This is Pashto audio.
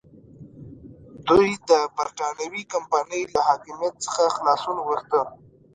دوی د برېټانوي کمپنۍ له حاکمیت څخه خلاصون غوښته.